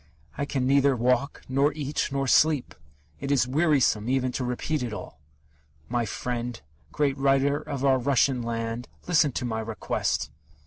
I can neither walk, nor eat, nor sleep. It is wearisome even to repeat it all! My friend great writer of our Russian land, listen to my request!...